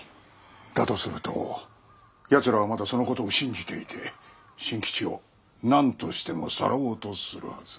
だとするとやつらはまだそのことを信じていて新吉を何としてもさらおうとするはず。